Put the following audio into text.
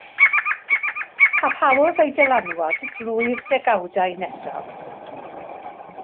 Parhaodd ei dylanwad drwy'r degawdau nesaf.